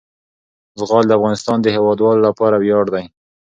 زغال د افغانستان د هیوادوالو لپاره ویاړ دی.